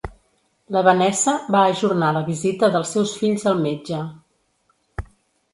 La Vanessa va ajornar la visita dels seus fills al metge.